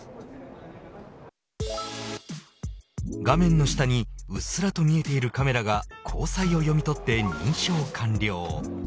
画面の下にうっすらと見えているカメラが虹彩を読み取って認証完了。